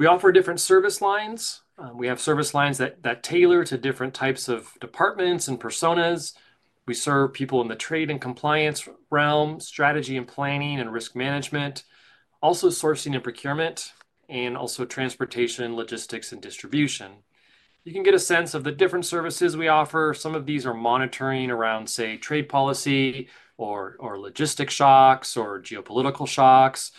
We offer different service lines. We have service lines that tailor to different types of departments and personas. We serve people in the trade and compliance realm, strategy and planning, and risk management. Also sourcing and procurement, and also transportation, logistics, and distribution. You can get a sense of the different services we offer. Some of these are monitoring around, say, trade policy or logistic shocks or geopolitical shocks.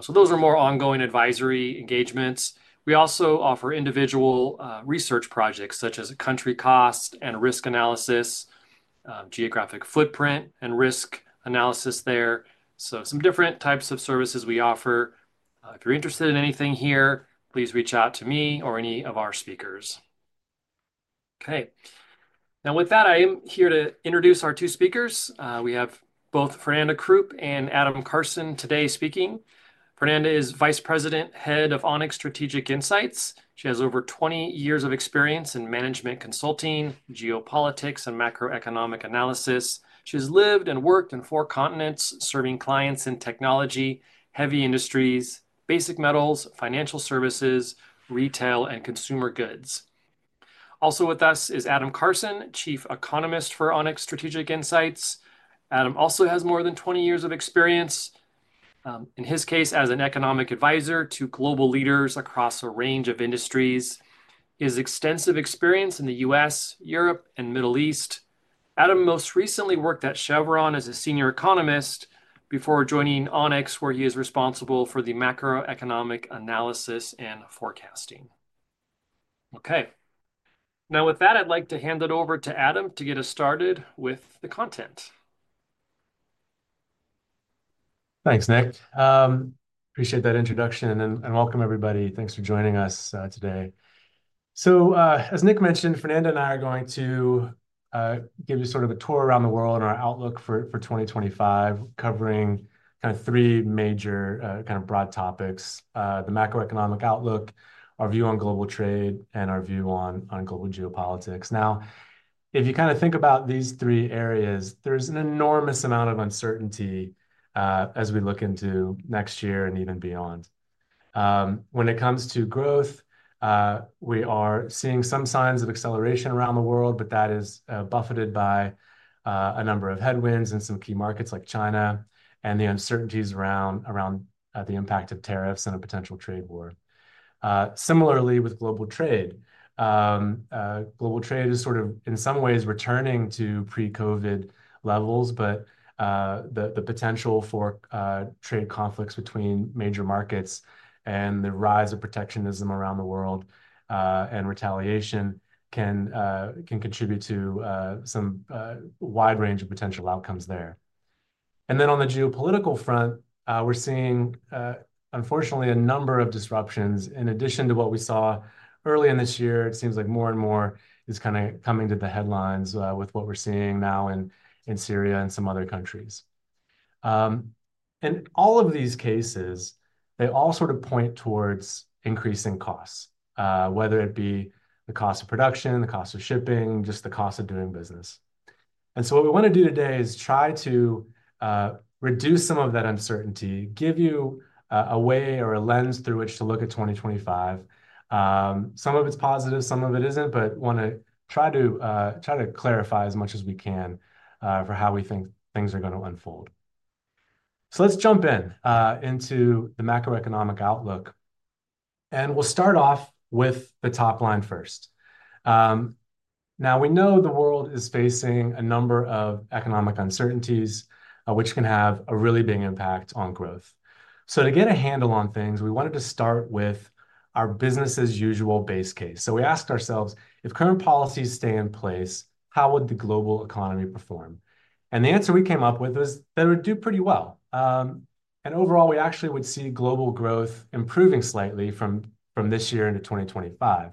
So those are more ongoing advisory engagements. We also offer individual research projects such as country cost and risk analysis, geographic footprint and risk analysis there. So some different types of services we offer. If you're interested in anything here, please reach out to me or any of our speakers. Okay. Now with that, I am here to introduce our two speakers. We have both Fernanda Kroup and Adam Karson today speaking. Fernanda is Vice President, Head of Onyx Strategic Insights. She has over 20 years of experience in management consulting, geopolitics, and macroeconomic analysis. She has lived and worked on four continents, serving clients in technology, heavy industries, basic metals, financial services, retail, and consumer goods. Also with us is Adam Karson, Chief Economist for Onyx Strategic Insights. Adam also has more than 20 years of experience, in his case, as an economic advisor to global leaders across a range of industries. He has extensive experience in the U.S., Europe, and Middle East. Adam most recently worked at Chevron as a senior economist before joining Onyx, where he is responsible for the macroeconomic analysis and forecasting. Okay. Now with that, I'd like to hand it over to Adam to get us started with the content. Thanks, Nick. Appreciate that introduction and welcome everybody. Thanks for joining us today. As Nick mentioned, Fernanda and I are going to give you sort of a tour around the world and our outlook for 2025, covering kind of three major kind of broad topics: the macroeconomic outlook, our view on global trade, and our view on global geopolitics. Now, if you kind of think about these three areas, there is an enormous amount of uncertainty as we look into next year and even beyond. When it comes to growth, we are seeing some signs of acceleration around the world, but that is buffeted by a number of headwinds in some key markets like China and the uncertainties around the impact of tariffs and a potential trade war. Similarly, with global trade, global trade is sort of in some ways returning to pre-COVID levels, but the potential for trade conflicts between major markets and the rise of protectionism around the world and retaliation can contribute to some wide range of potential outcomes there. And then on the geopolitical front, we're seeing, unfortunately, a number of disruptions in addition to what we saw early in this year. It seems like more and more is kind of coming to the headlines with what we're seeing now in Syria and some other countries. And all of these cases, they all sort of point towards increasing costs, whether it be the cost of production, the cost of shipping, just the cost of doing business. And so what we want to do today is try to reduce some of that uncertainty, give you a way or a lens through which to look at 2025. Some of it's positive, some of it isn't, but want to try to clarify as much as we can for how we think things are going to unfold. So let's jump into the macroeconomic outlook. And we'll start off with the top line first. Now, we know the world is facing a number of economic uncertainties, which can have a really big impact on growth. So to get a handle on things, we wanted to start with our business-as-usual base case. So we asked ourselves, if current policies stay in place, how would the global economy perform? And the answer we came up with was that it would do pretty well. Overall, we actually would see global growth improving slightly from this year into 2025.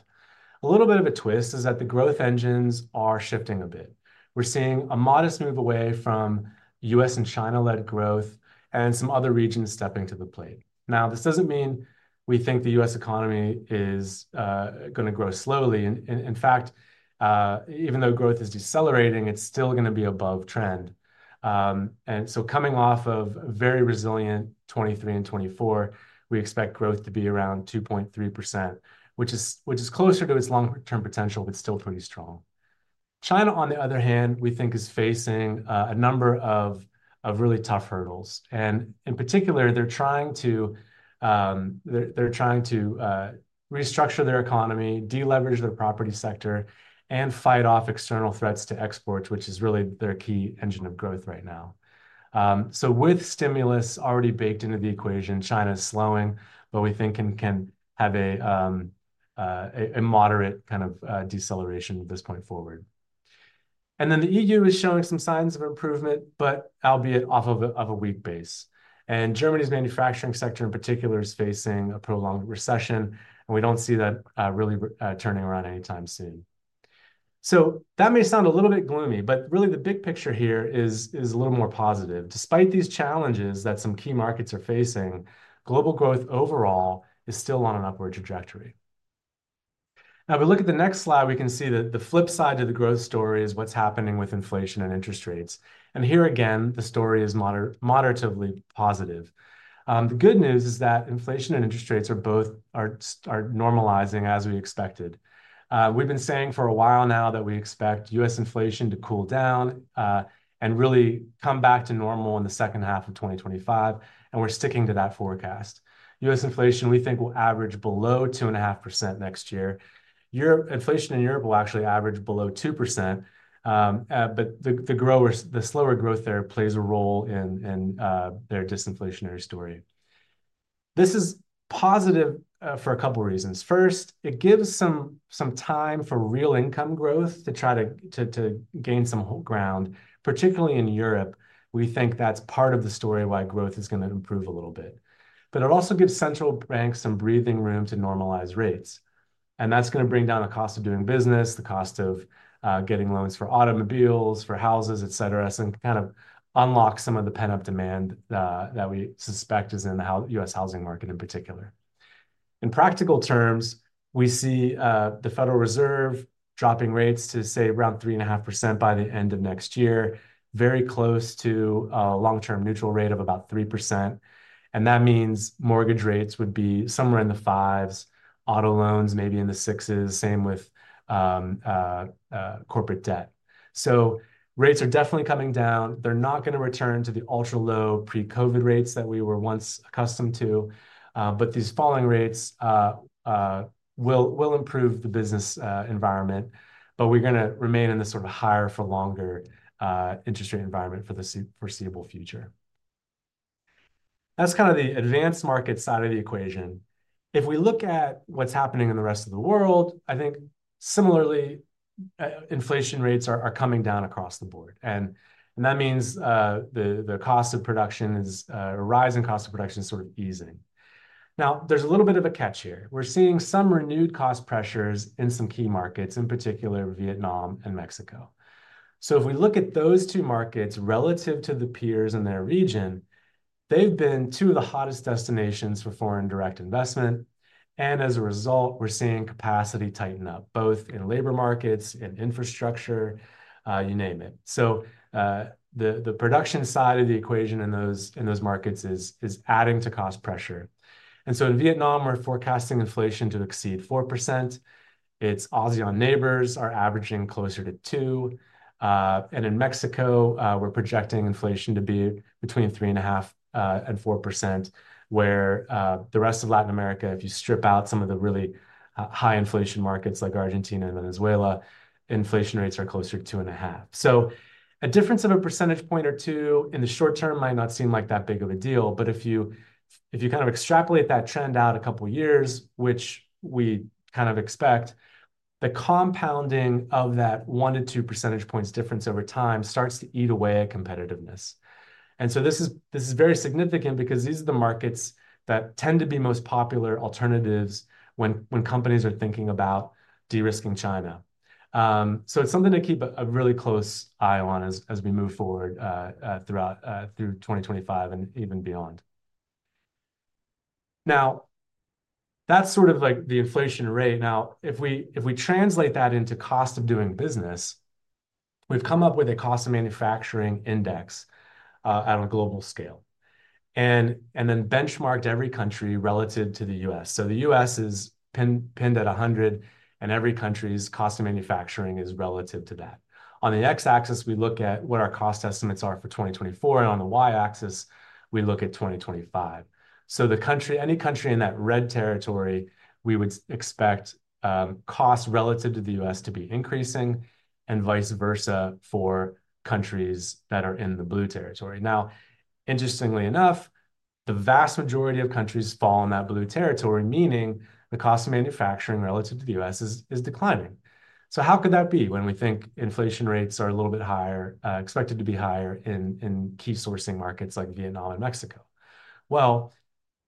A little bit of a twist is that the growth engines are shifting a bit. We're seeing a modest move away from U.S. and China-led growth and some other regions stepping to the plate. Now, this doesn't mean we think the U.S. economy is going to grow slowly. In fact, even though growth is decelerating, it's still going to be above trend. So coming off of very resilient 2023 and 2024, we expect growth to be around 2.3%, which is closer to its long-term potential, but still pretty strong. China, on the other hand, we think is facing a number of really tough hurdles. In particular, they're trying to restructure their economy, deleverage their property sector, and fight off external threats to exports, which is really their key engine of growth right now. So with stimulus already baked into the equation, China is slowing, but we think can have a moderate kind of deceleration at this point forward. And then the EU is showing some signs of improvement, but albeit off of a weak base. And Germany's manufacturing sector in particular is facing a prolonged recession, and we don't see that really turning around anytime soon. So that may sound a little bit gloomy, but really the big picture here is a little more positive. Despite these challenges that some key markets are facing, global growth overall is still on an upward trajectory. Now, if we look at the next slide, we can see that the flip side to the growth story is what's happening with inflation and interest rates. And here again, the story is moderately positive. The good news is that inflation and interest rates are both normalizing as we expected. We've been saying for a while now that we expect U.S. inflation to cool down and really come back to normal in the second half of 2025, and we're sticking to that forecast. U.S. inflation, we think, will average below 2.5% next year. Inflation in Europe will actually average below 2%, but the slower growth there plays a role in their disinflationary story. This is positive for a couple of reasons. First, it gives some time for real income growth to try to gain some ground, particularly in Europe. We think that's part of the story why growth is going to improve a little bit. But it also gives central banks some breathing room to normalize rates. And that's going to bring down the cost of doing business, the cost of getting loans for automobiles, for houses, etc., so it kind of unlocks some of the pent-up demand that we suspect is in the U.S. housing market in particular. In practical terms, we see the Federal Reserve dropping rates to say around 3.5% by the end of next year, very close to a long-term neutral rate of about 3%. And that means mortgage rates would be somewhere in the fives, auto loans maybe in the sixes, same with corporate debt. So rates are definitely coming down. They're not going to return to the ultra-low pre-COVID rates that we were once accustomed to. But these falling rates will improve the business environment, but we're going to remain in this sort of higher-for-longer interest rate environment for the foreseeable future. That's kind of the advanced market side of the equation. If we look at what's happening in the rest of the world, I think similarly, inflation rates are coming down across the board, and that means the cost of production, the rising cost of production is sort of easing. Now, there's a little bit of a catch here. We're seeing some renewed cost pressures in some key markets, in particular Vietnam and Mexico, so if we look at those two markets relative to the peers in their region, they've been two of the hottest destinations for foreign direct investment, and as a result, we're seeing capacity tighten up, both in labor markets, in infrastructure, you name it, so the production side of the equation in those markets is adding to cost pressure, and so in Vietnam, we're forecasting inflation to exceed 4%. Its ASEAN neighbors are averaging closer to 2%. In Mexico, we're projecting inflation to be between 3.5% and 4%, where the rest of Latin America, if you strip out some of the really high inflation markets like Argentina and Venezuela, inflation rates are closer to 2.5%. So a difference of a percentage point or two in the short term might not seem like that big of a deal, but if you kind of extrapolate that trend out a couple of years, which we kind of expect, the compounding of that one to two percentage points difference over time starts to eat away at competitiveness. And so this is very significant because these are the markets that tend to be most popular alternatives when companies are thinking about de-risking China. So it's something to keep a really close eye on as we move forward throughout 2025 and even beyond. Now, that's sort of like the inflation rate. Now, if we translate that into cost of doing business, we've come up with a cost of manufacturing index on a global scale and then benchmarked every country relative to the U.S. So the U.S. is pinned at 100, and every country's cost of manufacturing is relative to that. On the X-axis, we look at what our cost estimates are for 2024, and on the Y-axis, we look at 2025. So any country in that red territory, we would expect costs relative to the U.S. to be increasing and vice versa for countries that are in the blue territory. Now, interestingly enough, the vast majority of countries fall in that blue territory, meaning the cost of manufacturing relative to the U.S. is declining. So how could that be when we think inflation rates are a little bit higher, expected to be higher in key sourcing markets like Vietnam and Mexico?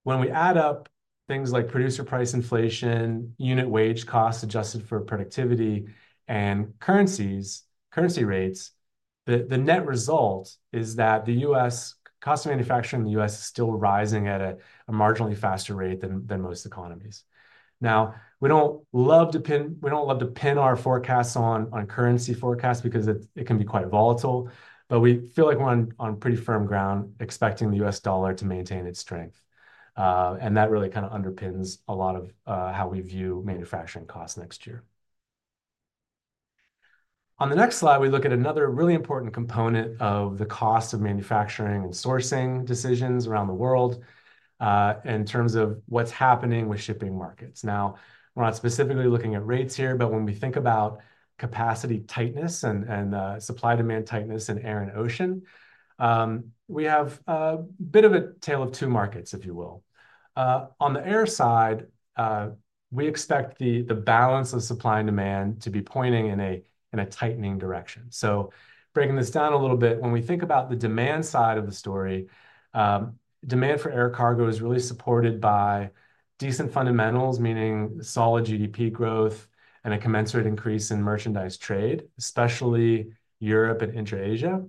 When we add up things like producer price inflation, unit wage costs adjusted for productivity, and currency rates, the net result is that the U.S. cost of manufacturing in the U.S. is still rising at a marginally faster rate than most economies. Now, we don't love to pin our forecasts on currency forecasts because it can be quite volatile, but we feel like we're on pretty firm ground expecting the U.S. dollar to maintain its strength. That really kind of underpins a lot of how we view manufacturing costs next year. On the next slide, we look at another really important component of the cost of manufacturing and sourcing decisions around the world in terms of what's happening with shipping markets. Now, we're not specifically looking at rates here, but when we think about capacity tightness and supply-demand tightness in air and ocean, we have a bit of a tale of two markets, if you will. On the air side, we expect the balance of supply and demand to be pointing in a tightening direction, so breaking this down a little bit, when we think about the demand side of the story, demand for air cargo is really supported by decent fundamentals, meaning solid GDP growth and a commensurate increase in merchandise trade, especially Europe and Asia-China.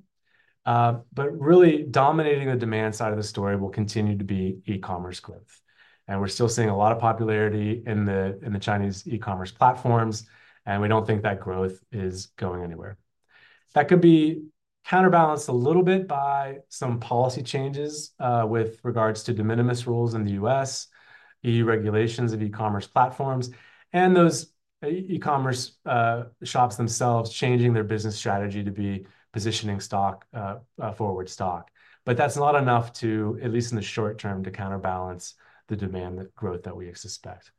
But really dominating the demand side of the story will continue to be e-commerce growth, and we're still seeing a lot of popularity in the Chinese e-commerce platforms, and we don't think that growth is going anywhere. That could be counterbalanced a little bit by some policy changes with regards to de minimis rules in the U.S., EU regulations of e-commerce platforms, and those e-commerce shops themselves changing their business strategy to be positioning stock forward stock. But that's not enough to, at least in the short term, to counterbalance the demand growth that we expect.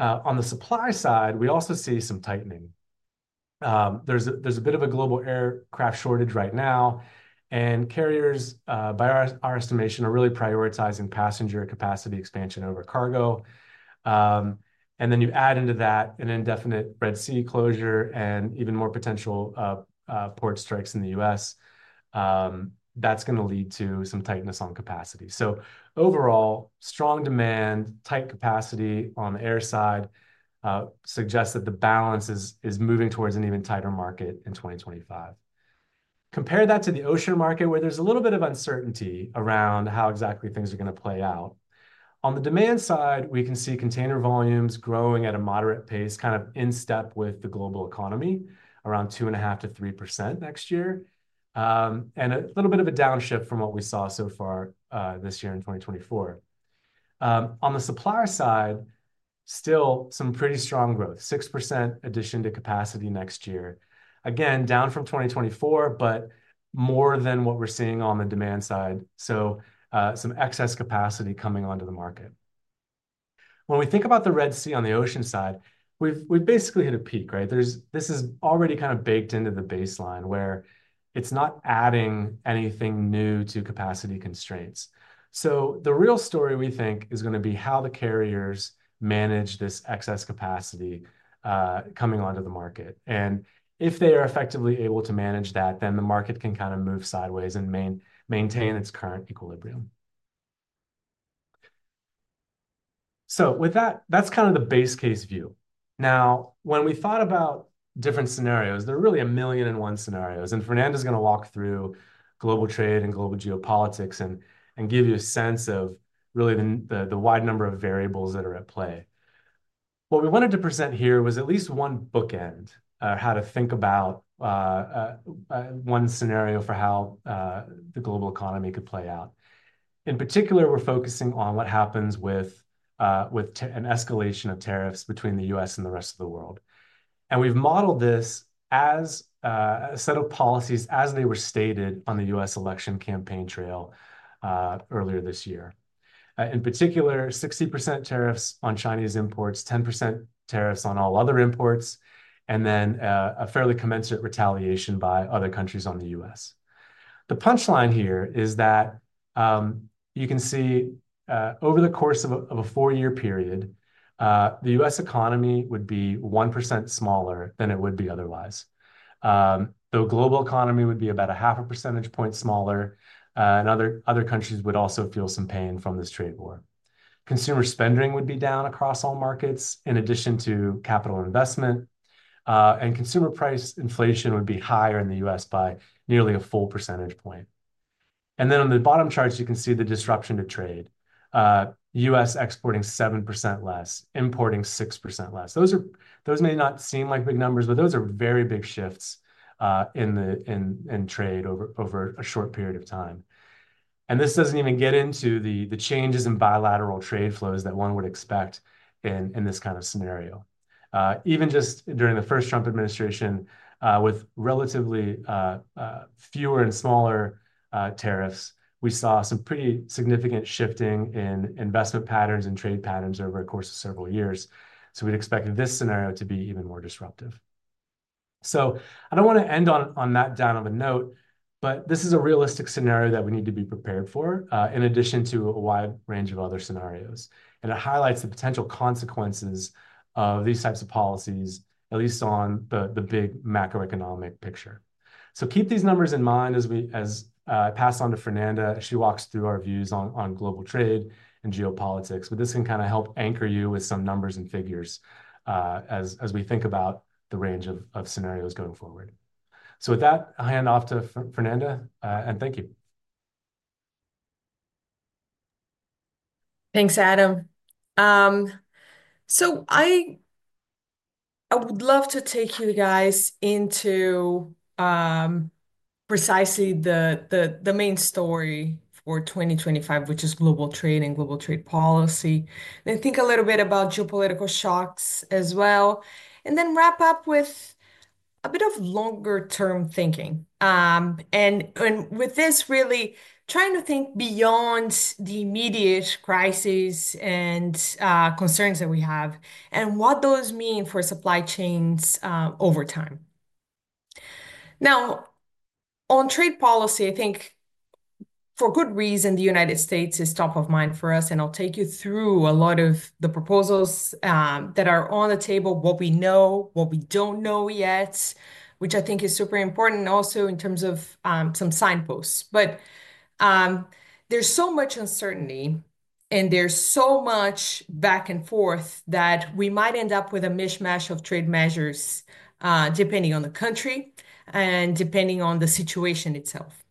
On the supply side, we also see some tightening. There's a bit of a global aircraft shortage right now, and carriers, by our estimation, are really prioritizing passenger capacity expansion over cargo. And then you add into that an indefinite Red Sea closure and even more potential port strikes in the U.S. That's going to lead to some tightness on capacity. So overall, strong demand, tight capacity on the air side suggests that the balance is moving towards an even tighter market in 2025. Compare that to the ocean market, where there's a little bit of uncertainty around how exactly things are going to play out. On the demand side, we can see container volumes growing at a moderate pace, kind of in step with the global economy, around 2.5%-3% next year, and a little bit of a downshift from what we saw so far this year in 2024. On the supply side, still some pretty strong growth, 6% addition to capacity next year. Again, down from 2024, but more than what we're seeing on the demand side. So some excess capacity coming onto the market. When we think about the Red Sea on the ocean side, we've basically hit a peak, right? This is already kind of baked into the baseline where it's not adding anything new to capacity constraints. The real story we think is going to be how the carriers manage this excess capacity coming onto the market. And if they are effectively able to manage that, then the market can kind of move sideways and maintain its current equilibrium. So with that, that's kind of the base case view. Now, when we thought about different scenarios, there are really a million and one scenarios. And Fernanda's going to walk through global trade and global geopolitics and give you a sense of really the wide number of variables that are at play. What we wanted to present here was at least one bookend or how to think about one scenario for how the global economy could play out. In particular, we're focusing on what happens with an escalation of tariffs between the U.S. and the rest of the world. And we've modeled this as a set of policies as they were stated on the U.S. election campaign trail earlier this year. In particular, 60% tariffs on Chinese imports, 10% tariffs on all other imports, and then a fairly commensurate retaliation by other countries on the U.S. The punchline here is that you can see over the course of a four-year period, the U.S. economy would be 1% smaller than it would be otherwise. The global economy would be about a half a percentage point smaller. And other countries would also feel some pain from this trade war. Consumer spending would be down across all markets in addition to capital investment. And consumer price inflation would be higher in the U.S. by nearly a full percentage point. And then on the bottom charts, you can see the disruption to trade. U.S. exporting 7% less, importing 6% less. Those may not seem like big numbers, but those are very big shifts in trade over a short period of time. And this doesn't even get into the changes in bilateral trade flows that one would expect in this kind of scenario. Even just during the first Trump administration, with relatively fewer and smaller tariffs, we saw some pretty significant shifting in investment patterns and trade patterns over a course of several years. So we'd expect this scenario to be even more disruptive. So I don't want to end on that down of a note, but this is a realistic scenario that we need to be prepared for in addition to a wide range of other scenarios. And it highlights the potential consequences of these types of policies, at least on the big macroeconomic picture. So keep these numbers in mind as I pass on to Fernanda. She walks through our views on global trade and geopolitics, but this can kind of help anchor you with some numbers and figures as we think about the range of scenarios going forward. So with that, I'll hand off to Fernanda, and thank you. Thanks, Adam. So I would love to take you guys into precisely the main story for 2025, which is global trade and global trade policy. And think a little bit about geopolitical shocks as well. And then wrap up with a bit of longer-term thinking. And with this, really trying to think beyond the immediate crises and concerns that we have and what those mean for supply chains over time. Now, on trade policy, I think for good reason, the United States is top of mind for us. I'll take you through a lot of the proposals that are on the table, what we know, what we don't know yet, which I think is super important also in terms of some signposts. There's so much uncertainty, and there's so much back and forth that we might end up with a mishmash of trade measures depending on the country and depending on the situation itself,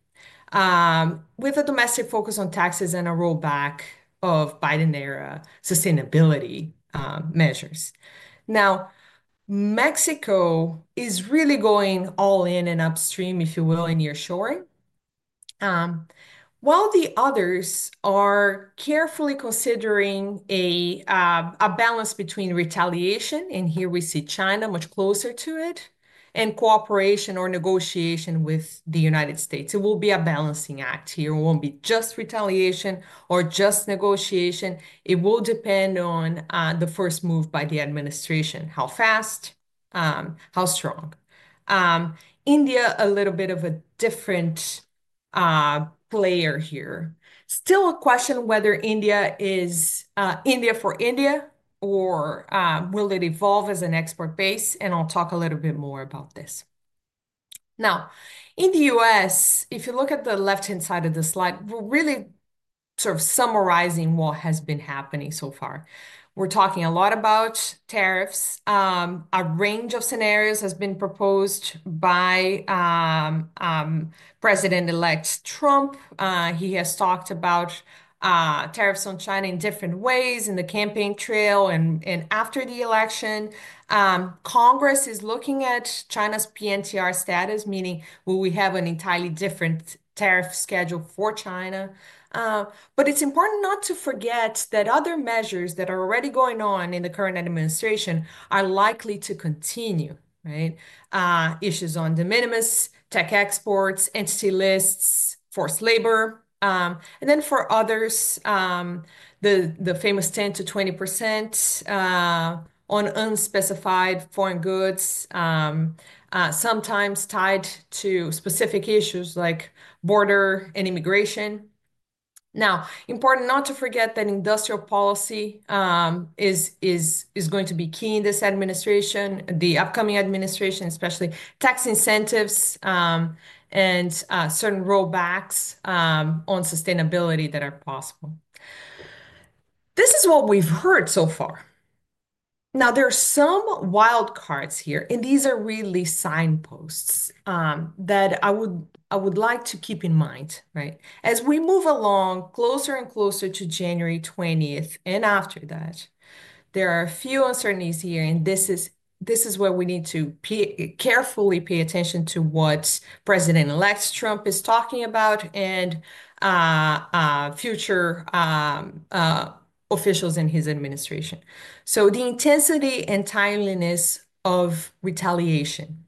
with a domestic focus on taxes and a rollback of Biden-era sustainability measures. Now, Mexico is really going all in and upstream, if you will, in nearshoring. While the others are carefully considering a balance between retaliation, and here we see China much closer to it, and cooperation or negotiation with the United States. It will be a balancing act here. It won't be just retaliation or just negotiation. It will depend on the first move by the administration, how fast, how strong. India, a little bit of a different player here. Still a question whether India is India for India, or will it evolve as an export base, and I'll talk a little bit more about this. Now, in the U.S., if you look at the left-hand side of the slide, we're really sort of summarizing what has been happening so far. We're talking a lot about tariffs. A range of scenarios has been proposed by President-elect Trump. He has talked about tariffs on China in different ways in the campaign trail and after the election. Congress is looking at China's PNTR status, meaning we have an entirely different tariff schedule for China, but it's important not to forget that other measures that are already going on in the current administration are likely to continue, right? Issues on de minimis, tech exports, entity lists, forced labor. And then for others, the famous 10%-20% on unspecified foreign goods, sometimes tied to specific issues like border and immigration. Now, important not to forget that industrial policy is going to be key in this administration, the upcoming administration, especially tax incentives and certain rollbacks on sustainability that are possible. This is what we've heard so far. Now, there are some wild cards here, and these are really signposts that I would like to keep in mind, right? As we move along closer and closer to January 20th and after that, there are a few uncertainties here, and this is where we need to carefully pay attention to what President-elect Trump is talking about and future officials in his administration. So the intensity and timeliness of retaliation,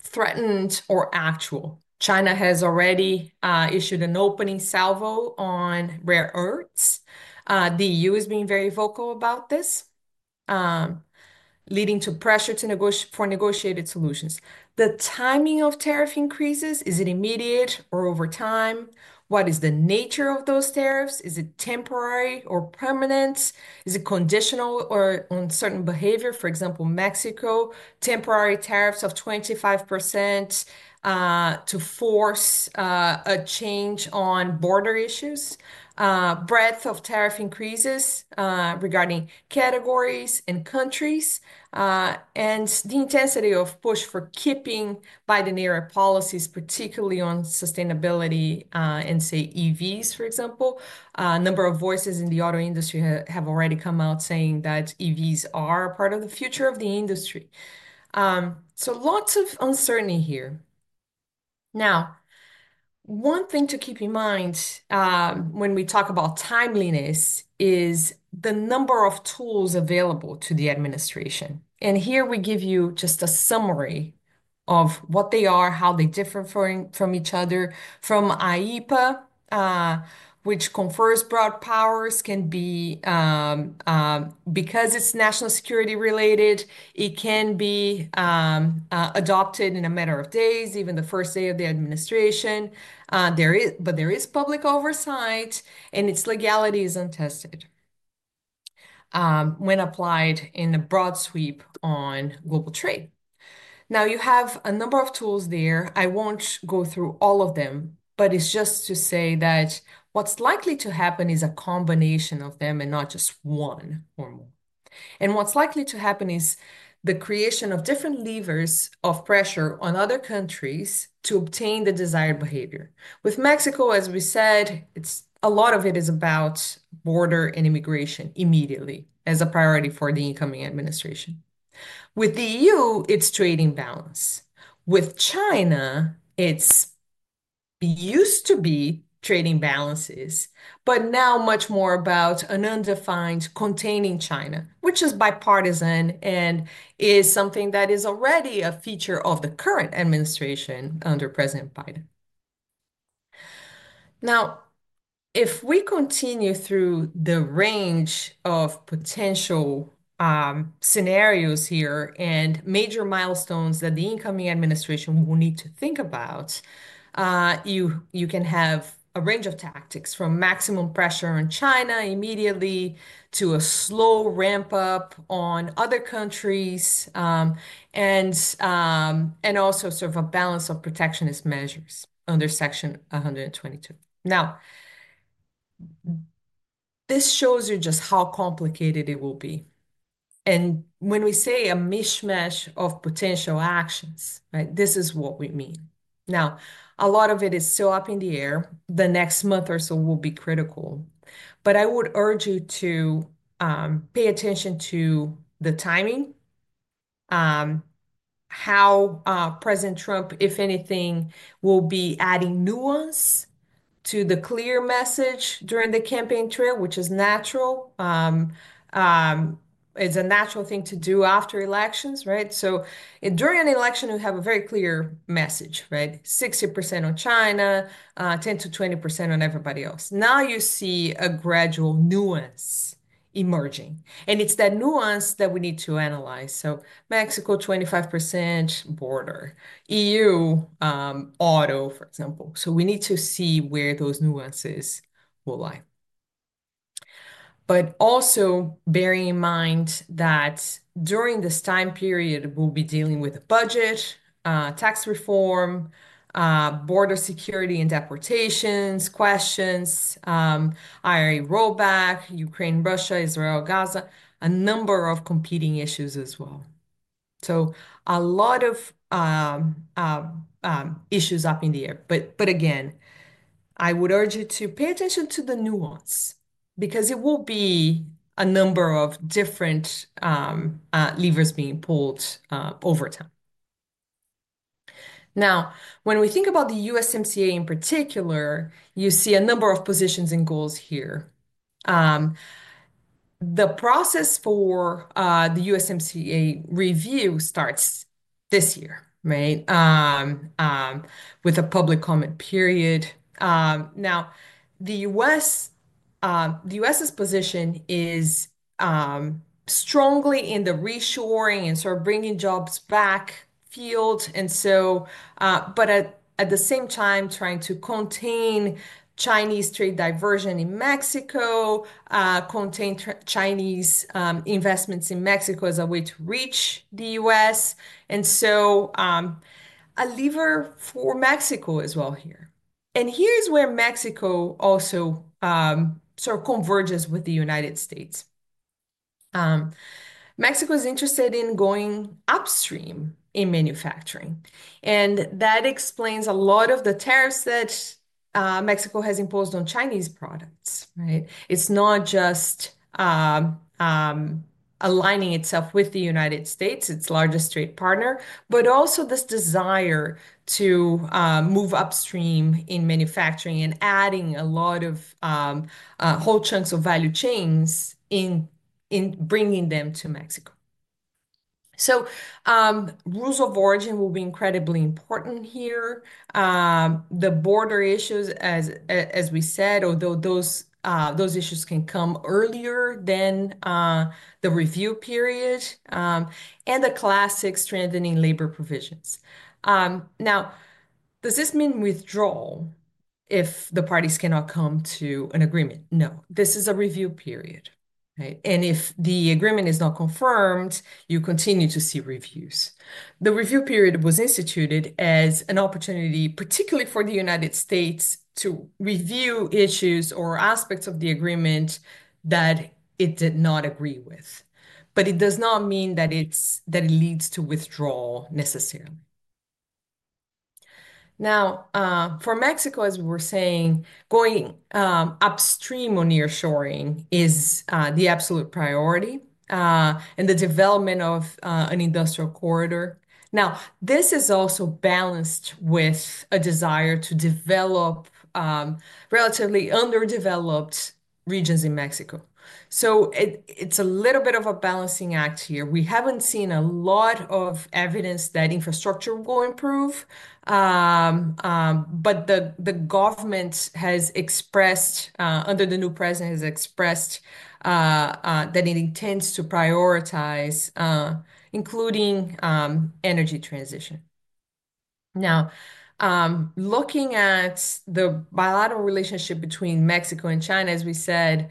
threatened or actual. China has already issued an opening salvo on rare earths. The EU has been very vocal about this, leading to pressure for negotiated solutions. The timing of tariff increases: is it immediate or over time? What is the nature of those tariffs? Is it temporary or permanent? Is it conditional or on certain behavior? For example, Mexico, temporary tariffs of 25% to force a change on border issues. Breadth of tariff increases regarding categories and countries and the intensity of push for keeping Biden-era policies, particularly on sustainability and, say, EVs, for example. A number of voices in the auto industry have already come out saying that EVs are a part of the future of the industry, so lots of uncertainty here. Now, one thing to keep in mind when we talk about timeliness is the number of tools available to the administration. Here we give you just a summary of what they are, how they differ from each other. From IEEPA, which confers broad powers, can be because it's national security related, it can be adopted in a matter of days, even the first day of the administration. There is public oversight, and its legality is untested when applied in a broad sweep on global trade. Now, you have a number of tools there. I won't go through all of them, but it's just to say that what's likely to happen is a combination of them and not just one or more. What's likely to happen is the creation of different levers of pressure on other countries to obtain the desired behavior. With Mexico, as we said, a lot of it is about border and immigration immediately as a priority for the incoming administration. With the EU, it's trade balance. With China, it used to be trade balances, but now much more about containing China, which is bipartisan and is something that is already a feature of the current administration under President Biden. Now, if we continue through the range of potential scenarios here and major milestones that the incoming administration will need to think about, you can have a range of tactics from maximum pressure on China immediately to a slow ramp-up on other countries and also sort of a balance of protectionist measures under Section 122. Now, this shows you just how complicated it will be, and when we say a mishmash of potential actions, this is what we mean. Now, a lot of it is still up in the air. The next month or so will be critical. But I would urge you to pay attention to the timing, how President Trump, if anything, will be adding nuance to the clear message during the campaign trail, which is natural. It's a natural thing to do after elections, right? So during an election, you have a very clear message, right? 60% on China, 10%-20% on everybody else. Now you see a gradual nuance emerging. And it's that nuance that we need to analyze. So Mexico, 25% border. EU, auto, for example. So we need to see where those nuances will lie. But also bearing in mind that during this time period, we'll be dealing with a budget, tax reform, border security and deportations, questions, IRA rollback, Ukraine, Russia, Israel, Gaza, a number of competing issues as well. So a lot of issues up in the air. But again, I would urge you to pay attention to the nuance because it will be a number of different levers being pulled over time. Now, when we think about the USMCA in particular, you see a number of positions and goals here. The process for the USMCA review starts this year, right, with a public comment period. Now, the U.S.'s position is strongly in the reshoring and sort of bringing jobs back field. And so, but at the same time, trying to contain Chinese trade diversion in Mexico, contain Chinese investments in Mexico as a way to reach the U.S. And so a lever for Mexico as well here. And here's where Mexico also sort of converges with the United States. Mexico is interested in going upstream in manufacturing. And that explains a lot of the tariffs that Mexico has imposed on Chinese products, right? It's not just aligning itself with the United States, its largest trade partner, but also this desire to move upstream in manufacturing and adding a lot of whole chunks of value chains in bringing them to Mexico. So rules of origin will be incredibly important here. The border issues, as we said, although those issues can come earlier than the review period and the classic strengthening labor provisions. Now, does this mean withdrawal if the parties cannot come to an agreement? No. This is a review period, right? And if the agreement is not confirmed, you continue to see reviews. The review period was instituted as an opportunity, particularly for the United States, to review issues or aspects of the agreement that it did not agree with. But it does not mean that it leads to withdrawal necessarily. Now, for Mexico, as we were saying, going upstream on nearshoring is the absolute priority and the development of an industrial corridor. Now, this is also balanced with a desire to develop relatively underdeveloped regions in Mexico. So it's a little bit of a balancing act here. We haven't seen a lot of evidence that infrastructure will improve. But the government has expressed, under the new president, that it intends to prioritize, including energy transition. Now, looking at the bilateral relationship between Mexico and China, as we said,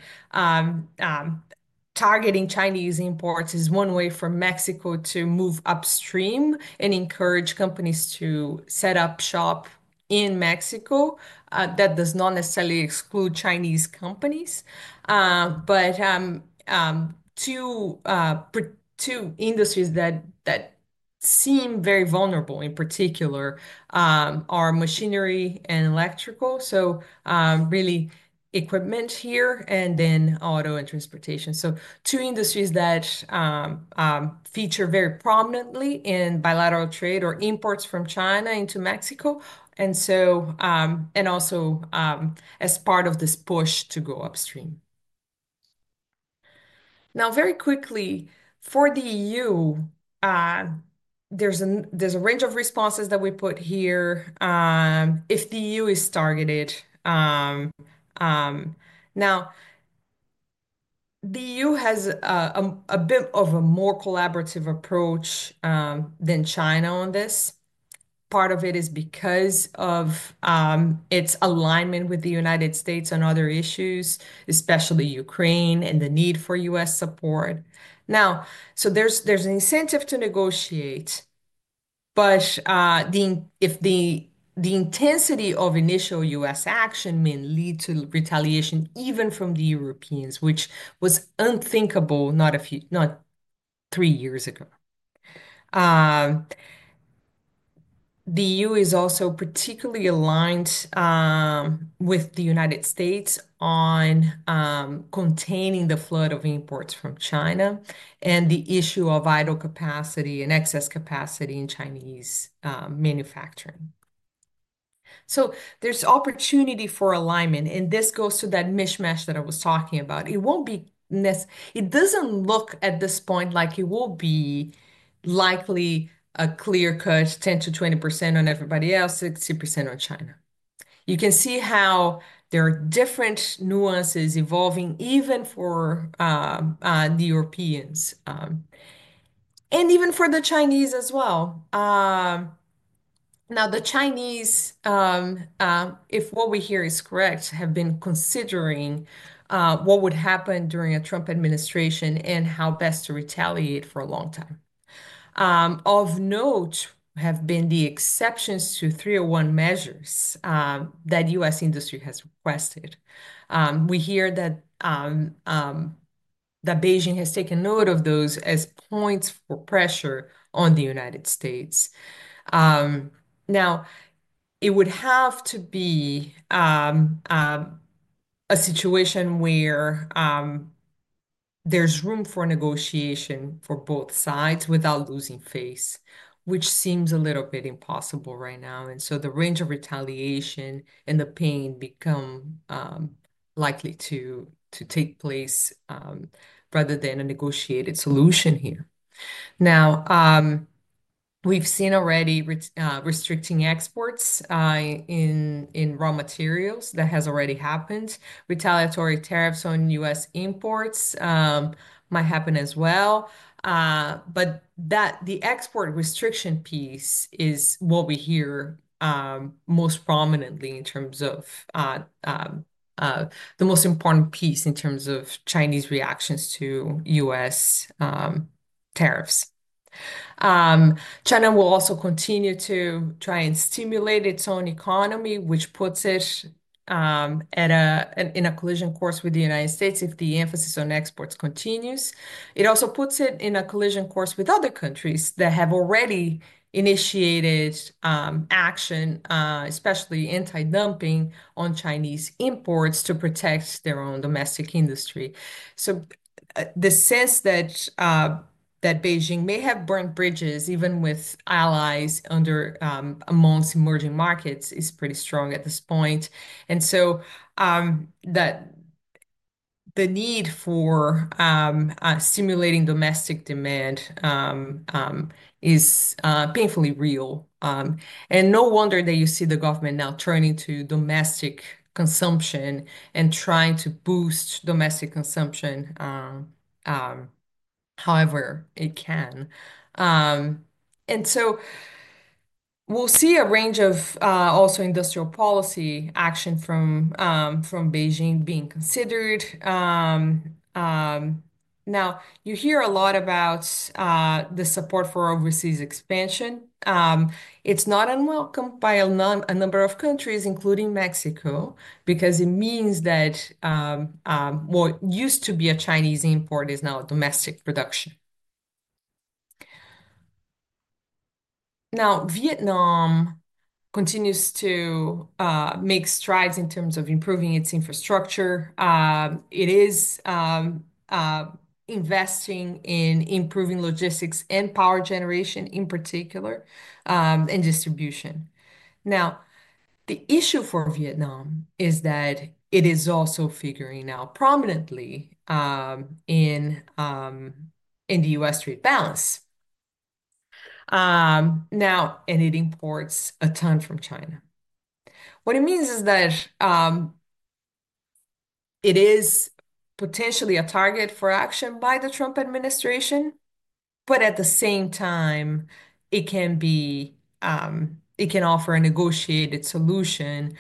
targeting Chinese imports is one way for Mexico to move upstream and encourage companies to set up shop in Mexico. That does not necessarily exclude Chinese companies. But two industries that seem very vulnerable in particular are machinery and electrical, so really equipment here, and then auto and transportation. So two industries that feature very prominently in bilateral trade or imports from China into Mexico, and also as part of this push to go upstream. Now, very quickly, for the EU, there's a range of responses that we put here if the EU is targeted. Now, the EU has a bit of a more collaborative approach than China on this. Part of it is because of its alignment with the United States on other issues, especially Ukraine and the need for U.S. support. Now, so there's an incentive to negotiate, but if the intensity of initial U.S. action may lead to retaliation even from the Europeans, which was unthinkable not three years ago. The EU is also particularly aligned with the United States on containing the flood of imports from China and the issue of idle capacity and excess capacity in Chinese manufacturing. So there's opportunity for alignment, and this goes to that mishmash that I was talking about. It won't be necessary. It doesn't look at this point like it will be likely a clear cut 10%-20% on everybody else, 60% on China. You can see how there are different nuances evolving even for the Europeans and even for the Chinese as well. Now, the Chinese, if what we hear is correct, have been considering what would happen during a Trump administration and how best to retaliate for a long time. Of note have been the exceptions to 301 measures that U.S. industry has requested. We hear that Beijing has taken note of those as points for pressure on the United States. Now, it would have to be a situation where there's room for negotiation for both sides without losing face, which seems a little bit impossible right now. And so the range of retaliation and the pain become likely to take place rather than a negotiated solution here. Now, we've seen already restricting exports in raw materials that has already happened. Retaliatory tariffs on U.S. imports might happen as well. But the export restriction piece is what we hear most prominently in terms of the most important piece in terms of Chinese reactions to U.S. tariffs. China will also continue to try and stimulate its own economy, which puts it in a collision course with the United States if the emphasis on exports continues. It also puts it in a collision course with other countries that have already initiated action, especially anti-dumping on Chinese imports to protect their own domestic industry. So the sense that Beijing may have burnt bridges even with allies amongst emerging markets is pretty strong at this point. And so the need for stimulating domestic demand is painfully real. And no wonder that you see the government now turning to domestic consumption and trying to boost domestic consumption however it can. And so we'll see a range of also industrial policy action from Beijing being considered. Now, you hear a lot about the support for overseas expansion. It's not unwelcome by a number of countries, including Mexico, because it means that what used to be a Chinese import is now a domestic production. Now, Vietnam continues to make strides in terms of improving its infrastructure. It is investing in improving logistics and power generation in particular and distribution. Now, the issue for Vietnam is that it is also figuring out prominently in the U.S. trade balance. Now. And it imports a ton from China. What it means is that it is potentially a target for action by the Trump administration, but at the same time, it can offer a negotiated solution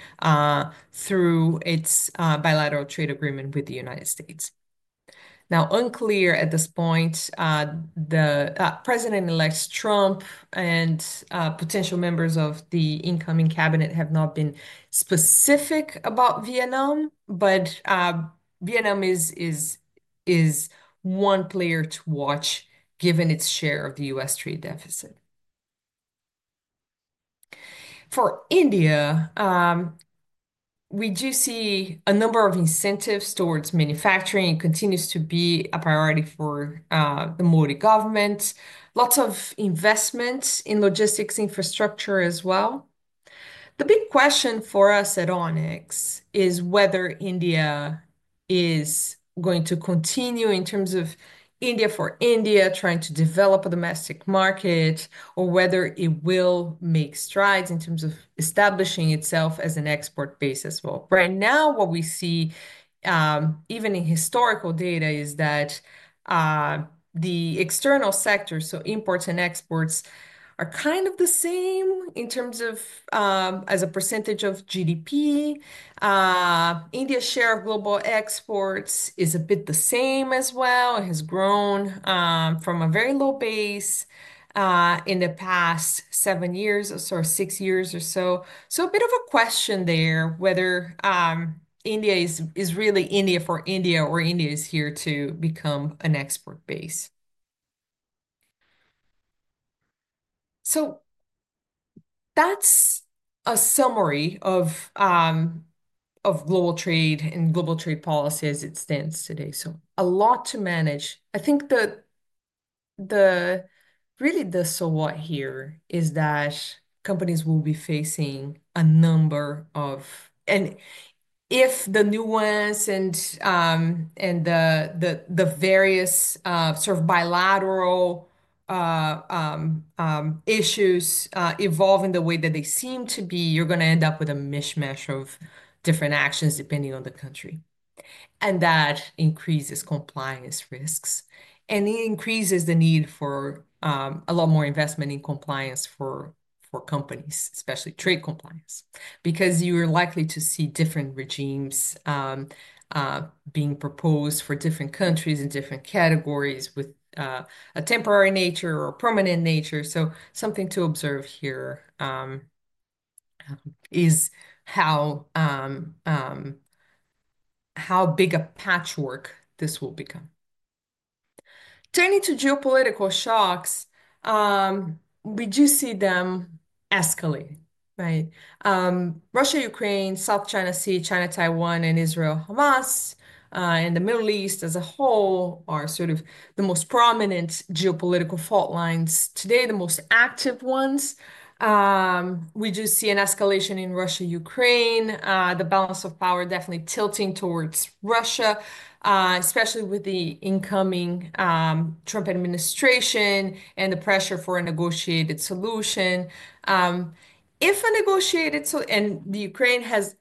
through its bilateral trade agreement with the United States. Now, unclear at this point, President-elect Trump and potential members of the incoming cabinet have not been specific about Vietnam, but Vietnam is one player to watch given its share of the U.S. trade deficit. For India, we do see a number of incentives towards manufacturing continues to be a priority for the Modi government. Lots of investments in logistics infrastructure as well. The big question for us at Onyx is whether India is going to continue in terms of India for India trying to develop a domestic market or whether it will make strides in terms of establishing itself as an export base as well. Right now, what we see even in historical data is that the external sector, so imports and exports, are kind of the same in terms of as a percentage of GDP. India's share of global exports is a bit the same as well. It has grown from a very low base in the past seven years or six years or so. So a bit of a question there whether India is really India for India or India is here to become an export base. So that's a summary of global trade and global trade policy as it stands today. So a lot to manage. I think really the so what here is that companies will be facing a number of. And if the nuance and the various sort of bilateral issues evolve in the way that they seem to be, you're going to end up with a mishmash of different actions depending on the country. And that increases compliance risks. And it increases the need for a lot more investment in compliance for companies, especially trade compliance, because you are likely to see different regimes being proposed for different countries in different categories with a temporary nature or permanent nature. So something to observe here is how big a patchwork this will become. Turning to geopolitical shocks, we do see them escalating, right? Russia, Ukraine, South China Sea, China-Taiwan, and Israel-Hamas and the Middle East as a whole are sort of the most prominent geopolitical fault lines today, the most active ones. We do see an escalation in Russia-Ukraine, the balance of power definitely tilting towards Russia, especially with the incoming Trump administration and the pressure for a negotiated solution. If a negotiated and Ukraine has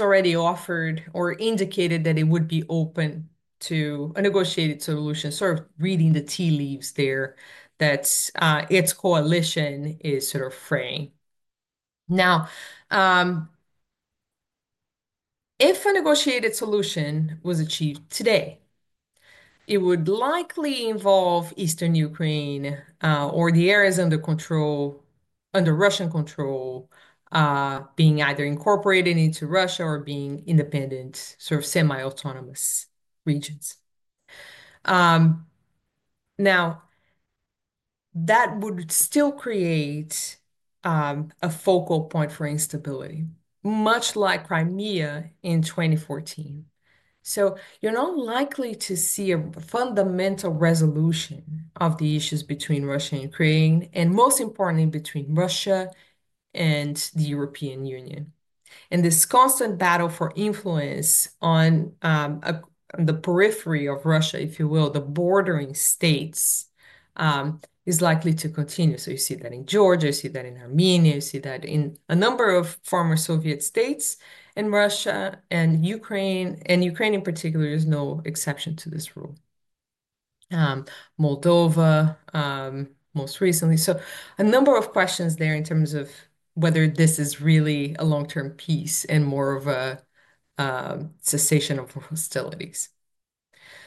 already offered or indicated that it would be open to a negotiated solution, sort of reading the tea leaves there that its coalition is sort of fraying. Now, if a negotiated solution was achieved today, it would likely involve Eastern Ukraine or the areas under Russian control being either incorporated into Russia or being independent, sort of semi-autonomous regions. Now, that would still create a focal point for instability, much like Crimea in 2014. So you're not likely to see a fundamental resolution of the issues between Russia and Ukraine, and most importantly, between Russia and the European Union. And this constant battle for influence on the periphery of Russia, if you will, the bordering states, is likely to continue. So you see that in Georgia. You see that in Armenia. You see that in a number of former Soviet states and Russia and Ukraine. And Ukraine, in particular, is no exception to this rule. Moldova, most recently. So a number of questions there in terms of whether this is really a long-term peace and more of a cessation of hostilities.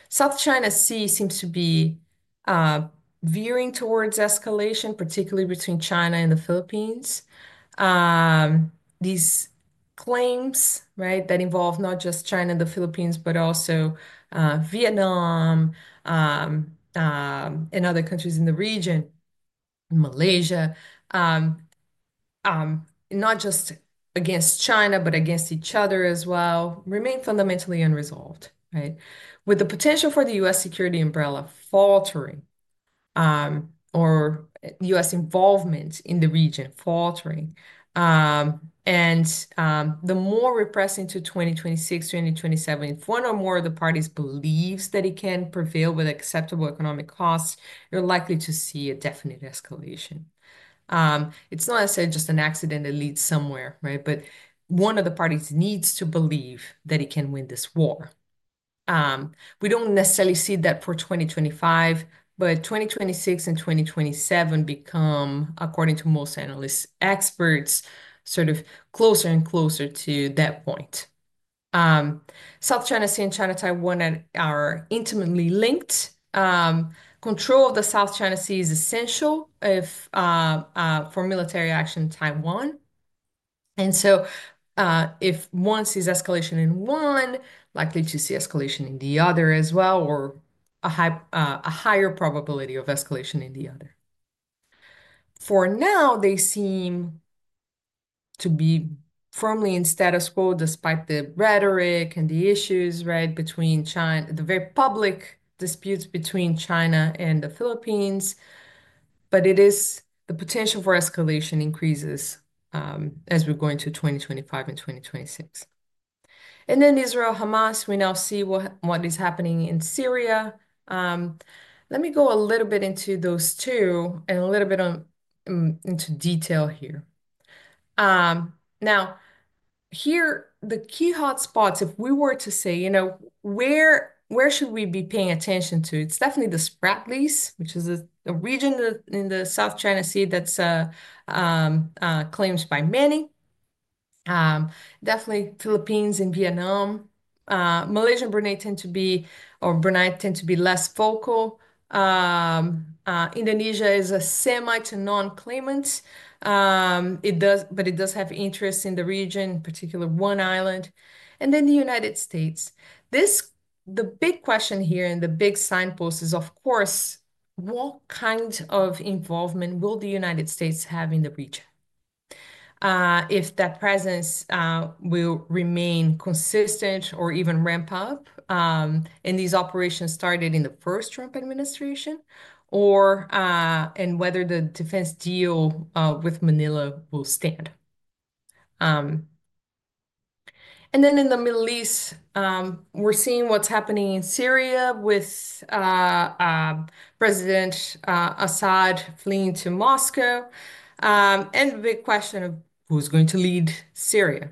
South China Sea seems to be veering towards escalation, particularly between China and the Philippines. These claims, right, that involve not just China and the Philippines, but also Vietnam and other countries in the region, Malaysia, not just against China, but against each other as well, remain fundamentally unresolved, right? With the potential for the U.S. security umbrella faltering or U.S. involvement in the region faltering. And the more we press into 2026, 2027, if one or more of the parties believes that it can prevail with acceptable economic costs, you're likely to see a definite escalation. It's not necessarily just an accident that leads somewhere, right? But one of the parties needs to believe that it can win this war. We don't necessarily see that for 2025, but 2026 and 2027 become, according to most analysts, experts, sort of closer and closer to that point. South China Sea and China-Taiwan are intimately linked. Control of the South China Sea is essential for military action in Taiwan. And so if one sees escalation in one, likely to see escalation in the other as well, or a higher probability of escalation in the other. For now, they seem to be firmly in status quo despite the rhetoric and the issues, right, between China and the very public disputes between China and the Philippines. But it is the potential for escalation increases as we go into 2025 and 2026. And then Israel, Hamas, we now see what is happening in Syria. Let me go a little bit into those two and a little bit into detail here. Now, here the key hotspots, if we were to say, you know, where should we be paying attention to? It's definitely the Spratly Islands, which is a region in the South China Sea that's claimed by many. Definitely Philippines and Vietnam. Malaysia, Brunei tend to be, or Brunei tend to be less focal. Indonesia is a semi-to-non-claimant. It does, but it does have interests in the region, particularly one island. And then the United States. The big question here and the big signpost is, of course, what kind of involvement will the United States have in the region, if that presence will remain consistent or even ramp up in these operations started in the first Trump administration, and whether the defense deal with Manila will stand, and then in the Middle East, we're seeing what's happening in Syria with President Assad fleeing to Moscow, and the big question of who's going to lead Syria.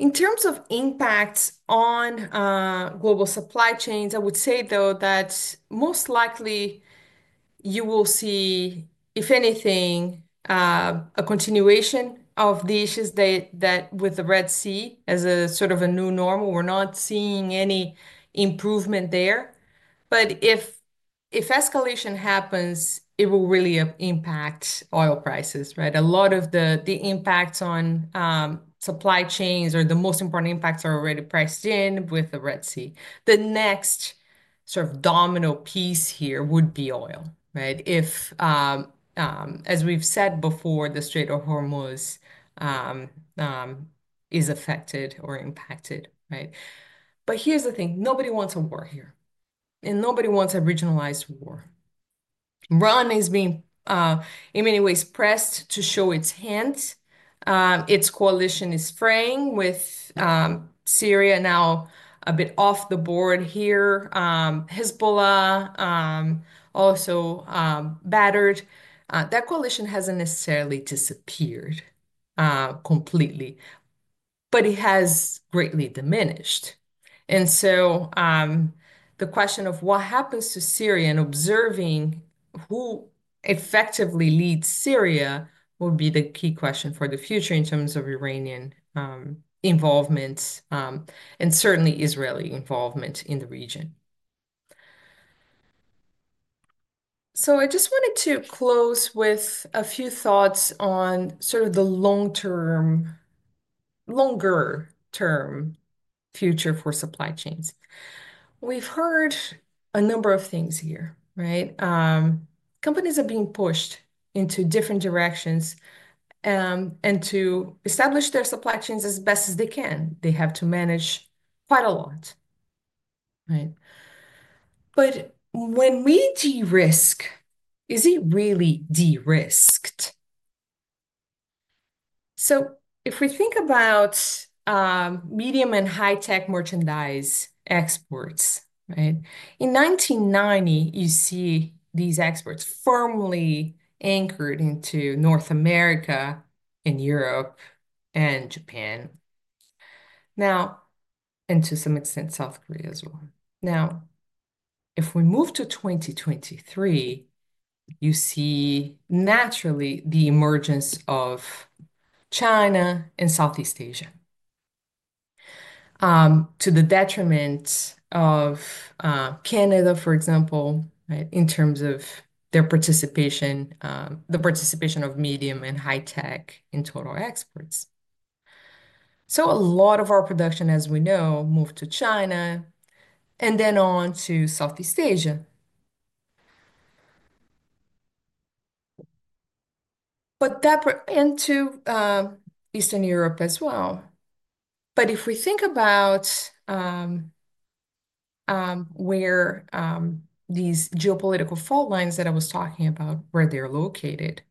In terms of impacts on global supply chains, I would say, though, that most likely you will see, if anything, a continuation of the issues with the Red Sea as a sort of a new normal. We're not seeing any improvement there, but if escalation happens, it will really impact oil prices, right? A lot of the impacts on supply chains or the most important impacts are already priced in with the Red Sea. The next sort of domino piece here would be oil, right? As we've said before, the Strait of Hormuz is affected or impacted, right? But here's the thing. Nobody wants a war here. And nobody wants a regionalized war. Iran is being, in many ways, pressed to show its hand. Its coalition is fraying with Syria now a bit off the board here. Hezbollah also battered. That coalition hasn't necessarily disappeared completely, but it has greatly diminished. And so the question of what happens to Syria and observing who effectively leads Syria will be the key question for the future in terms of Iranian involvement and certainly Israeli involvement in the region. So I just wanted to close with a few thoughts on sort of the long-term, longer-term future for supply chains. We've heard a number of things here, right? Companies are being pushed into different directions and to establish their supply chains as best as they can. They have to manage quite a lot, right? But when we de-risk, is it really de-risked? So if we think about medium and high-tech merchandise exports, right? In 1990, you see these exports firmly anchored into North America and Europe and Japan. Now, and to some extent, South Korea as well. Now, if we move to 2023, you see naturally the emergence of China and Southeast Asia to the detriment of Canada, for example, in terms of their participation, the participation of medium and high-tech in total exports. A lot of our production, as we know, moved to China and then on to Southeast Asia. But that went into Eastern Europe as well. But if we think about where these geopolitical fault lines that I was talking about, where they're located,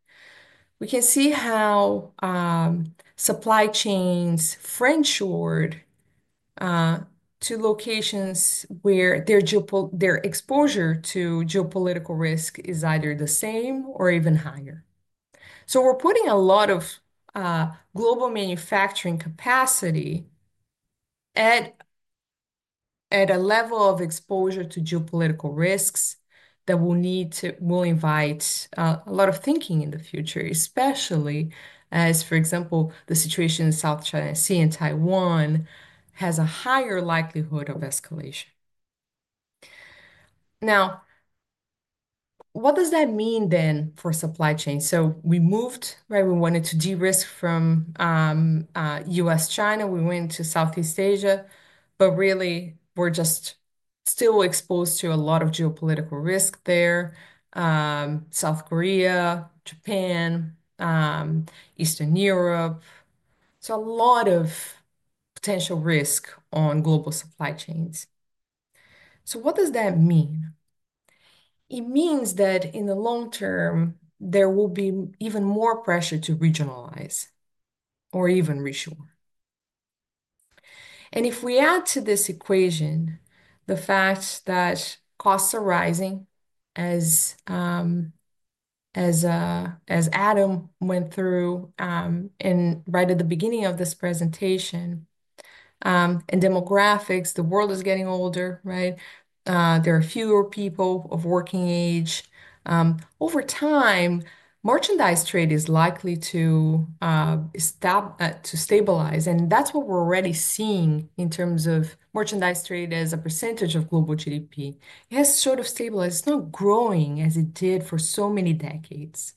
we can see how supply chains friendshored to locations where their exposure to geopolitical risk is either the same or even higher. So we're putting a lot of global manufacturing capacity at a level of exposure to geopolitical risks that will invite a lot of thinking in the future, especially as, for example, the situation in South China Sea and Taiwan has a higher likelihood of escalation. Now, what does that mean then for supply chains? So we moved, right? We wanted to de-risk from U.S.-China. We went to Southeast Asia, but really we're just still exposed to a lot of geopolitical risk there. South Korea, Japan, Eastern Europe. So a lot of potential risk on global supply chains. So what does that mean? It means that in the long term, there will be even more pressure to regionalize or even reshore. And if we add to this equation the fact that costs are rising, as Adam went through right at the beginning of this presentation, and demographics, the world is getting older, right? There are fewer people of working age. Over time, merchandise trade is likely to stabilize. And that's what we're already seeing in terms of merchandise trade as a percentage of global GDP. It has sort of stabilized. It's not growing as it did for so many decades.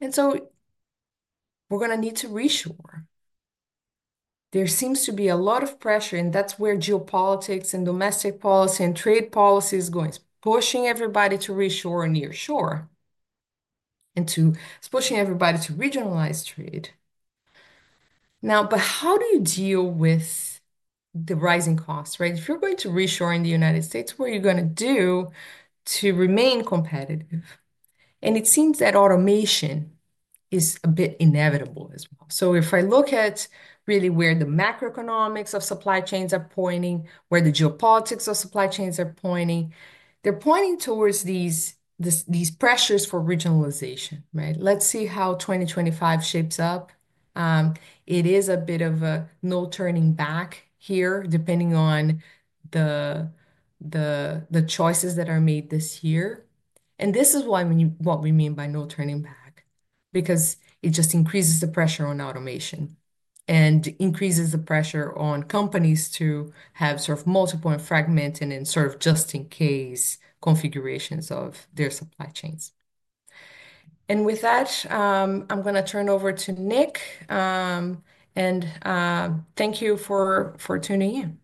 And so we're going to need to reshore. There seems to be a lot of pressure, and that's where geopolitics and domestic policy and trade policy is going. It's pushing everybody to reshore, nearshore, and to regionalize trade. Now, but how do you deal with the rising costs, right? If you're going to reshore in the United States, what are you going to do to remain competitive? And it seems that automation is a bit inevitable as well. So if I look at really where the macroeconomics of supply chains are pointing, where the geopolitics of supply chains are pointing, they're pointing towards these pressures for regionalization, right? Let's see how 2025 shapes up. It is a bit of a no turning back here, depending on the choices that are made this year. And this is what we mean by no turning back, because it just increases the pressure on automation and increases the pressure on companies to have sort of multiple and fragmented and sort of just-in-case configurations of their supply chains. With that, I'm going to turn over to Nick. Thank you for tuning in.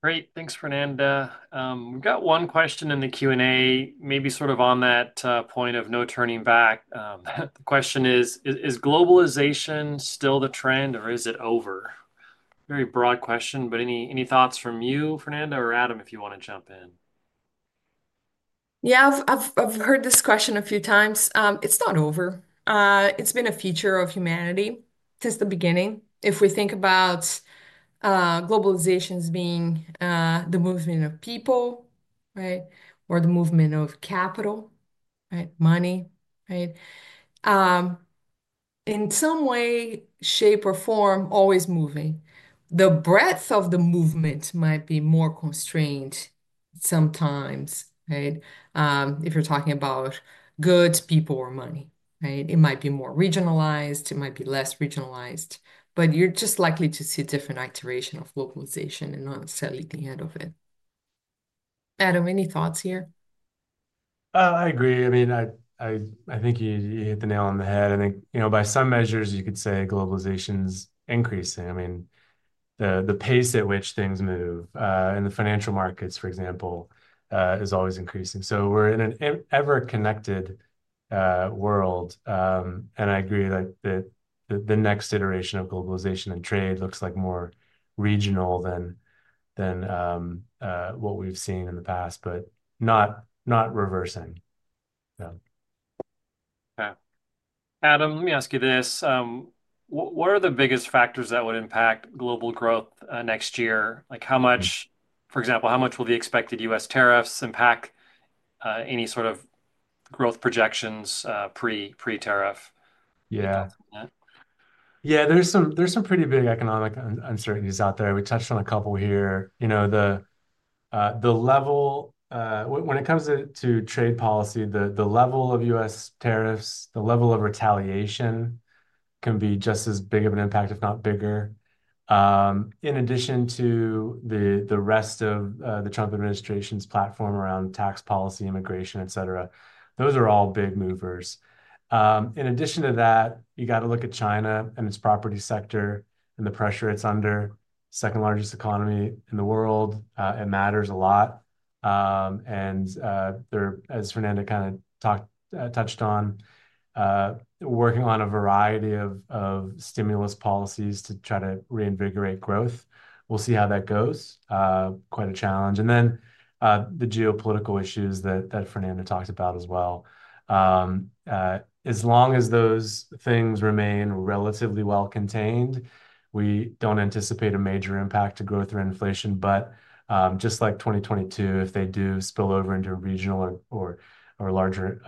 Great. Thanks, Fernanda. We've got one question in the Q&A, maybe sort of on that point of no turning back. The question is, is globalization still the trend, or is it over? Very broad question, but any thoughts from you, Fernanda, or Adam, if you want to jump in? Yeah, I've heard this question a few times. It's not over. It's been a feature of humanity since the beginning. If we think about globalization as being the movement of people, right, or the movement of capital, right, money, right, in some way, shape, or form, always moving. The breadth of the movement might be more constrained sometimes, right? If you're talking about goods, people, or money, right, it might be more regionalized. It might be less regionalized. But you're just likely to see different activation of localization and not necessarily the end of it. Adam, any thoughts here? I agree. I mean, I think you hit the nail on the head. I think, you know, by some measures, you could say globalization's increasing. I mean, the pace at which things move in the financial markets, for example, is always increasing. So we're in an ever-connected world. And I agree that the next iteration of globalization and trade looks like more regional than what we've seen in the past, but not reversing. Yeah. Adam, let me ask you this. What are the biggest factors that would impact global growth next year? Like how much, for example, how much will the expected U.S. tariffs impact any sort of growth projections pre-tariff? Yeah. Yeah, there's some pretty big economic uncertainties out there. We touched on a couple here. You know, the level when it comes to trade policy, the level of U.S. tariffs, the level of retaliation can be just as big of an impact, if not bigger. In addition to the rest of the Trump administration's platform around tax policy, immigration, etc., those are all big movers. In addition to that, you got to look at China and its property sector and the pressure it's under, second largest economy in the world. It matters a lot, and as Fernanda kind of touched on, we're working on a variety of stimulus policies to try to reinvigorate growth. We'll see how that goes. Quite a challenge, and then the geopolitical issues that Fernanda talked about as well. As long as those things remain relatively well contained, we don't anticipate a major impact to growth or inflation. But just like 2022, if they do spill over into regional or larger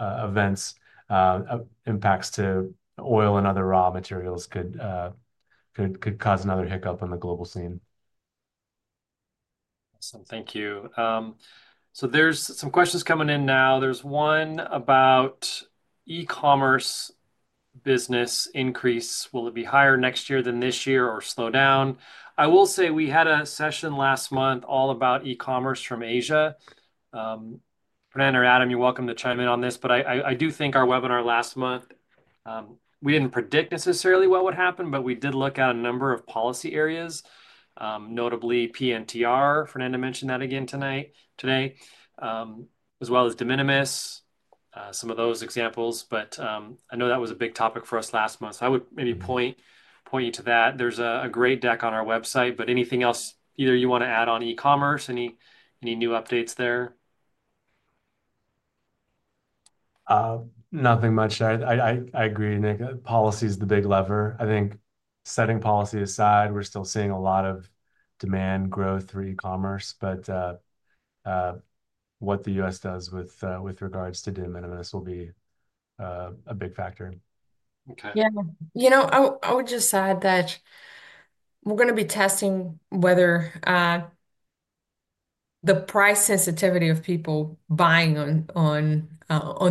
events, impacts to oil and other raw materials could cause another hiccup on the global scene. Awesome. Thank you. So there's some questions coming in now. There's one about e-commerce business increase. Will it be higher next year than this year or slow down? I will say we had a session last month all about e-commerce from Asia. Fernanda or Adam, you're welcome to chime in on this. But I do think our webinar last month, we didn't predict necessarily what would happen, but we did look at a number of policy areas, notably PNTR. Fernanda mentioned that again today, as well as de minimis, some of those examples. But I know that was a big topic for us last month. So I would maybe point you to that. There's a great deck on our website. But anything else either you want to add on e-commerce, any new updates there? Nothing much. I agree, Nick. Policy is the big lever. I think setting policy aside, we're still seeing a lot of demand growth for e-commerce. But what the U.S. does with regards to de minimis will be a big factor. Okay. Yeah. You know, I would just add that we're going to be testing whether the price sensitivity of people buying on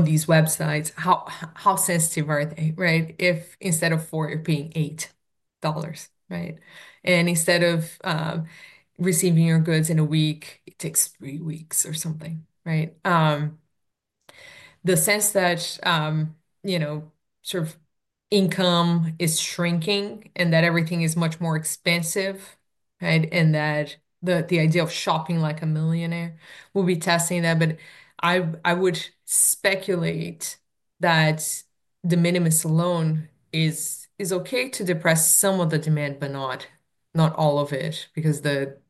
these websites, how sensitive are they, right? If instead of four, it being $8, right? And instead of receiving your goods in a week, it takes three weeks or something, right? The sense that sort of income is shrinking and that everything is much more expensive, right? And that the idea of shopping like a millionaire will be testing that. But I would speculate that de minimis alone is okay to depress some of the demand, but not all of it, because the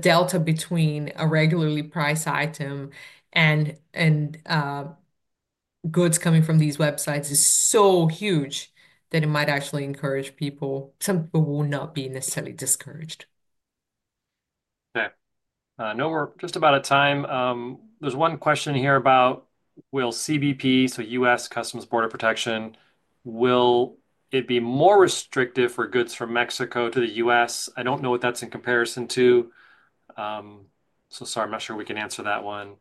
delta between a regularly priced item and goods coming from these websites is so huge that it might actually encourage people. Some people will not be necessarily discouraged. Okay. I know we're just about at time. There's one question here about will CBP, so U.S. Customs and Border Protection, will it be more restrictive for goods from Mexico to the U.S.? I don't know what that's in comparison to. So sorry, I'm not sure we can answer that one.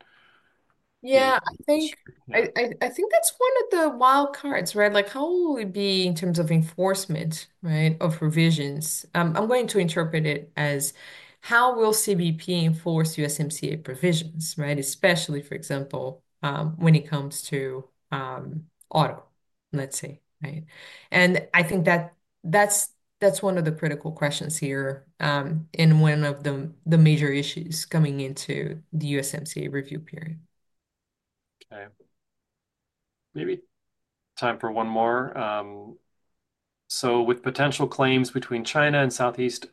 Yeah, I think that's one of the wild cards, right? Like how will it be in terms of enforcement, right, of provisions? I'm going to interpret it as how will CBP enforce USMCA provisions, right? Especially, for example, when it comes to auto, let's say, right? I think that that's one of the critical questions here in one of the major issues coming into the USMCA review period. Okay. Maybe time for one more. So with potential claims between China and Southeast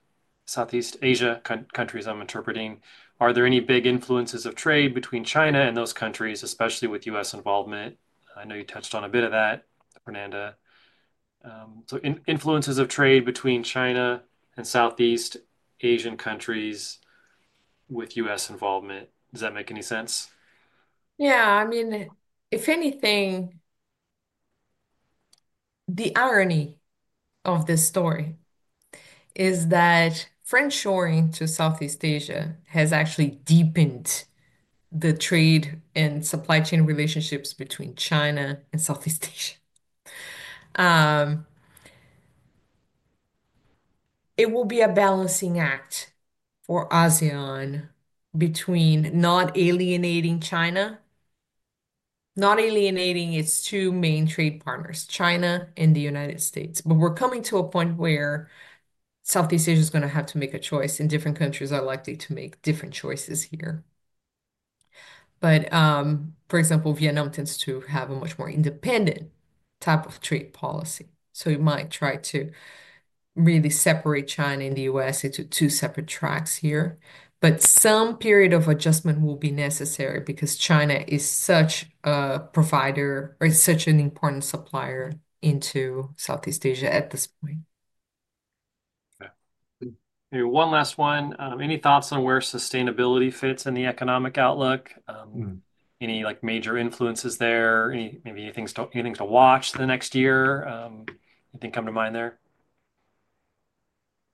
Asia countries, I'm interpreting, are there any big influences of trade between China and those countries, especially with U.S. involvement? I know you touched on a bit of that, Fernanda. So influences of trade between China and Southeast Asian countries with U.S. involvement. Does that make any sense? Yeah. I mean, if anything, the irony of this story is that friendshoring to Southeast Asia has actually deepened the trade and supply chain relationships between China and Southeast Asia. It will be a balancing act for ASEAN between not alienating China, not alienating its two main trade partners, China and the United States. But we're coming to a point where Southeast Asia is going to have to make a choice, and different countries are likely to make different choices here. But, for example, Vietnam tends to have a much more independent type of trade policy. So it might try to really separate China and the U.S. into two separate tracks here. But some period of adjustment will be necessary because China is such a provider or such an important supplier into Southeast Asia at this point. Okay. Maybe one last one. Any thoughts on where sustainability fits in the economic outlook? Any major influences there? Maybe any things to watch the next year? Anything come to mind there?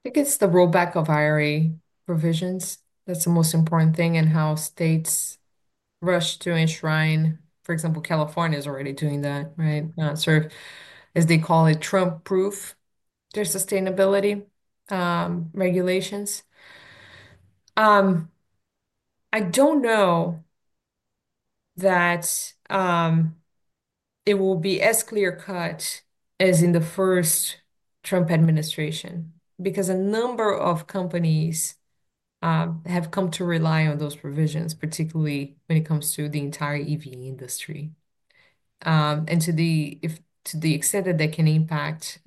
I guess the rollback of IRA provisions. That's the most important thing in how states rush to enshrine. For example, California is already doing that, right? Sort of, as they call it, Trump-proof their sustainability regulations. I don't know that it will be as clear-cut as in the first Trump administration because a number of companies have come to rely on those provisions, particularly when it comes to the entire EV industry. And to the extent that they can impact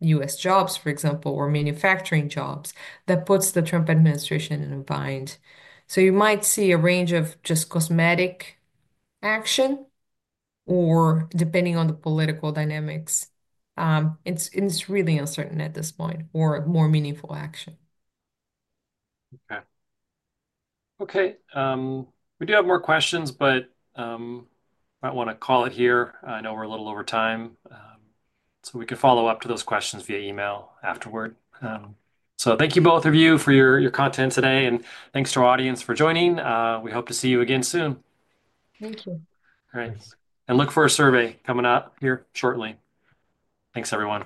U.S. jobs, for example, or manufacturing jobs, that puts the Trump administration in a bind. So you might see a range of just cosmetic action or, depending on the political dynamics, it's really uncertain at this point or more meaningful action. Okay. Okay. We do have more questions, but I might want to call it here. I know we're a little over time. So we can follow up to those questions via email afterward. So thank you both of you for your content today. And thanks to our audience for joining. We hope to see you again soon. Thank you. All right, and look for a survey coming up here shortly. Thanks, everyone.